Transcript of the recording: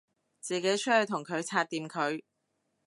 自己出去同佢拆掂佢